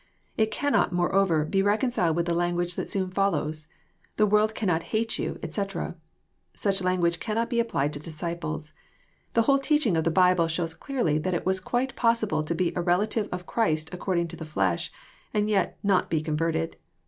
It cannot, moreover, be reconciled with the language that soon follows, —" The world cannot hate you," etc. Such language cannot be applied to disciples. The whole teaching of the Bible shows clearly that it was quite possible to be a relative of Christ according to the flesh and yet not be converted.